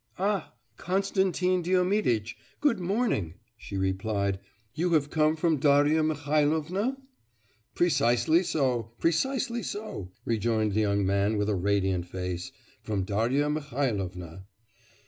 'Ah! Konstantin Diomiditch! good morning!' she replied. 'You have come from Darya Mihailovna?' 'Precisely so, precisely so,' rejoined the young man with a radiant face, 'from Darya Mihailovna.